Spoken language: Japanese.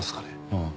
ああ。